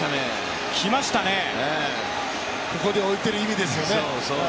ここで置いてる意味ですよね。